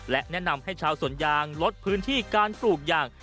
และแนะนำให้ชาวสวนยางลดพื้นที่การปลูกยาง